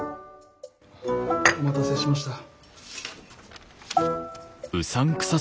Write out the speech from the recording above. お待たせしました。